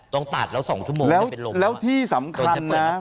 ต้องตัดแล้ว๒ชั่วโมงแล้วแล้วที่สำคัญนะ